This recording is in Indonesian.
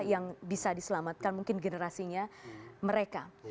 yang bisa diselamatkan mungkin generasinya mereka